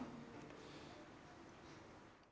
kok semalam gak pulang